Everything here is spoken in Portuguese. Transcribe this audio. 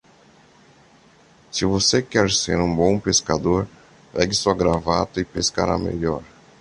Se você quer ser um bom pescador, pegue sua gravata e pescará melhor.